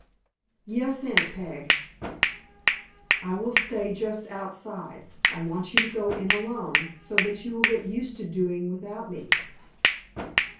"Yes, Aunt Peg." "I will stay just outside. I want you to go in alone, so that you will get used to doing without me."